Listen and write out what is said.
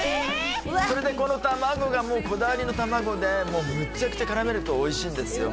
それでこの卵がもうこだわりの卵でもうむちゃくちゃ絡めるとおいしんですよ